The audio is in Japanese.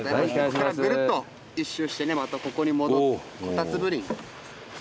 ここからぐるっと一周してねまたここに戻るこたつ舟になります。